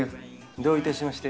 どういたしまして。